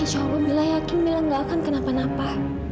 insya allah mila yakin mila gak akan kenapa napa